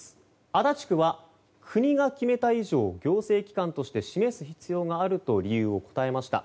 足立区は国が決めた以上行政機関として示す必要があると理由を答えました。